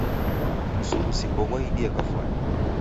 Msughusiko ghwaidie kafwani.